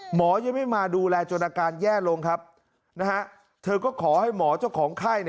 หมอยังไม่มาดูแลจนอาการแย่ลงครับเธอก็ขอให้หมอเจ้าของไข้